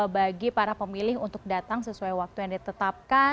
bagi para pemilih untuk datang sesuai waktu yang ditetapkan